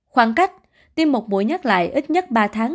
khoảng cách tiêm một buổi nhắc lại ít nhất ba tháng